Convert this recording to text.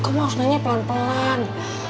kamu harus nanya pelan pelan